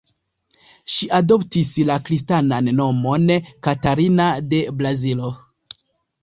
Ŝi adoptis la kristanan nomon "Katarina de Brazilo".